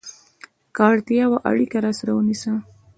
که اړتیا وه، اړیکه راسره ونیسه!